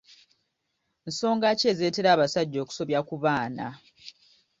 Nsonga ki ezireetera abasajja okusobya ku baana?